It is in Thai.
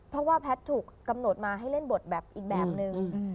เพราะว่าแพทย์ถูกกำหนดมาให้เล่นบทแบบอีกแบบนึง